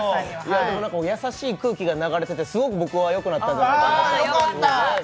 優しい空気が流れてて、すごくよくなったと僕は思いました。